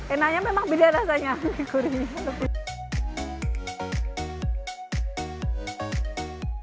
enaknya memang beda rasanya lebih gurih